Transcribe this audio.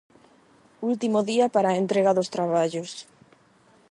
Último día para a entrega dos traballos.